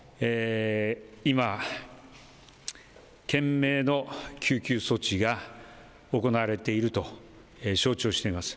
今、懸命の救急措置が行われていると承知をしています。